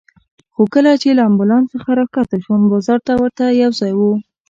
خو کله چې له امبولانس څخه راکښته شوم، بازار ته ورته یو ځای و.